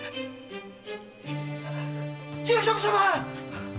住職様！